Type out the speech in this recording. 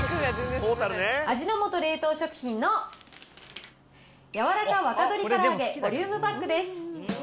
味の素冷凍食品のやわらか若鶏から揚げボリュームパックです